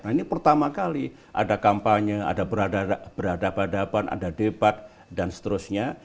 nah ini pertama kali ada kampanye ada beradaban hadapan ada debat dan seterusnya